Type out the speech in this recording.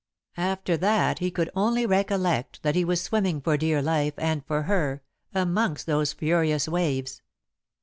After that he could only recollect that he was swimming for dear life and for her, amongst those furious waves.